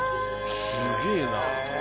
すげえな。